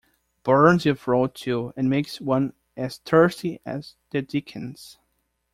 Burns your throat, too, and makes one as thirsty as the dickens.